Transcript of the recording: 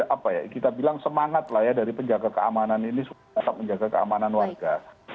apa ya kita bilang semangat lah ya dari penjaga keamanan ini supaya tetap menjaga keamanan warga